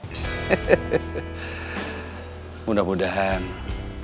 perpisahan kita ini membuat kamu dan mas berubah